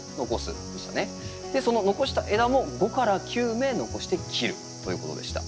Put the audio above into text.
その残した枝も５９芽残して切るということでした。